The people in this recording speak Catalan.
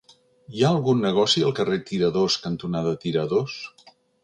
Hi ha algun negoci al carrer Tiradors cantonada Tiradors?